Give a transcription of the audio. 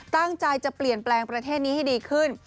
ตั้งใจจะเปลี่ยนแปลงประเทศนี้ให้ดีขึ้น